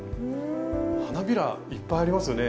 花びらいっぱいありますよね